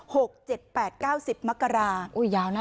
หกเจ็ดแปดเก้าสิบมะกะลา